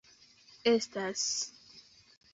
estas